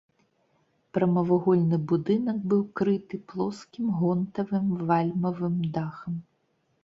Прамавугольны будынак быў крыты плоскім гонтавым вальмавым дахам.